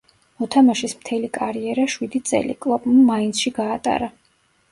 მოთამაშის მთელი კარიერა, შვიდი წელი, კლოპმა „მაინცში“ გაატარა.